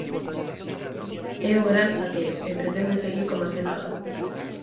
É o gran saqueo, e pretenden seguir como se nada.